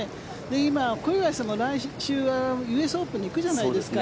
今、小祝さんも来週はＵＳオープンに行くじゃないですか。